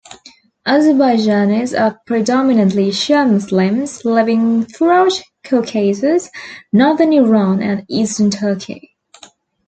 Azerbaijanis are predominantly Shia Muslims living throughout Caucasus, northern Iran and eastern Turkey.